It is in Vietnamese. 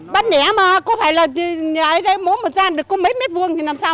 bắt nẻ mà có phải là mỗi một gian có mấy m hai thì làm sao